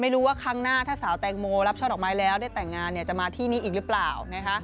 ไม่รู้ว่าครั้งหน้าถ้าสาวแตงโมรับช่อดอกไม้แล้วได้แต่งงานจะมาที่นี้อีกหรือเปล่านะคะ